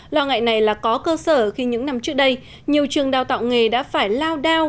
lo ngại này là có cơ sở khi những năm trước đây nhiều trường đào tạo nghề đã phải lao đao